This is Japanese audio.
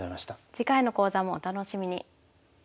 次回の講座もお楽しみに。